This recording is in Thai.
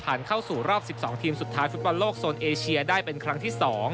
เข้าสู่รอบ๑๒ทีมสุดท้ายฟุตบอลโลกโซนเอเชียได้เป็นครั้งที่๒